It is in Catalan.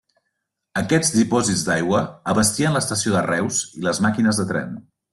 Aquests dipòsits d'aigua abastien l'estació de Reus i les màquines de tren.